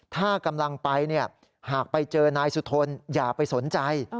ถ้ากำลังไปหากไปเจอนายสุทนอย่าไปสนใจ